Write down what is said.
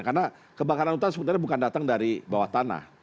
karena kebakaran hutan sebenarnya bukan datang dari bawah tanah